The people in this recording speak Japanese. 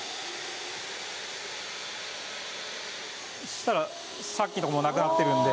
そしたらさっきの所もうなくなってるんで。